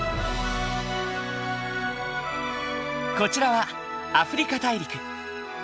こちらはアフリカ大陸。